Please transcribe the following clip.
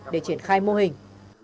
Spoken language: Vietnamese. để triển khai mô hình